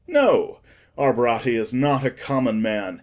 No: our Bratti is not a common man.